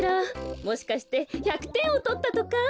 もしかして１００てんをとったとか？